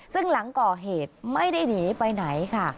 ซึ่งหลังก่อเหตุไม่ได้หนีไปไหนค่ะ